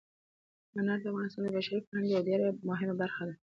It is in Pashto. انار د افغانستان د بشري فرهنګ یوه ډېره مهمه برخه ده.